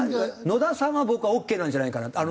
野田さんは僕はオーケーなんじゃないかなって。